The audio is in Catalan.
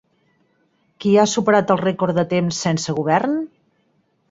Qui ha superat el rècord de temps sense govern?